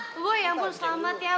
boy ya ampun selamat ya